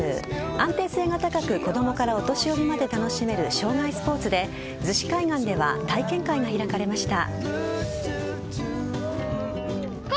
安定性が高く子供からお年寄りまで楽しめる生涯スポーツで逗子海岸では体験会が開かれました。